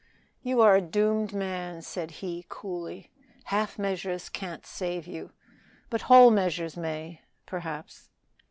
"You are a doomed man," said he coolly; "half measures can't save you, but whole measures may perhaps."